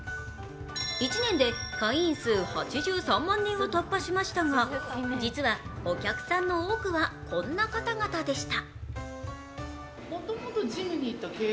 １年で会員数８３万人を突破しましたが実はお客さんの多くはこんな方々でした。